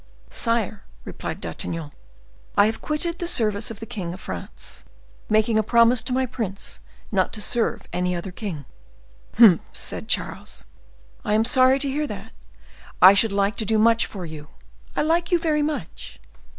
"Sire," replied D'Artagnan, "I have quitted the service of the king of France, making a promise to my prince not to serve any other king." "Humph!" said Charles, "I am sorry to hear that; I should like to do much for you; I like you very much."